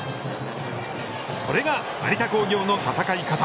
これが有田工業の戦い方。